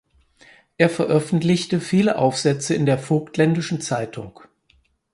Er veröffentlichte viele Aufsätze in der „Vogtländischen Zeitung“.